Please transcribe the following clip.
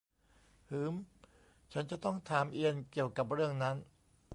หืม ฉันจะต้องถามเอียนเกี่ยวกับเรื่องนั้น